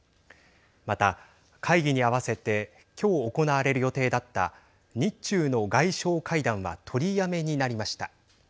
また、会議に合わせて今日、行われる予定だった日中の外相会談は取りやめになりました。